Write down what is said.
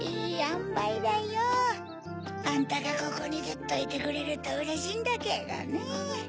あんたがここにずっといてくれるとうれしいんだけどね。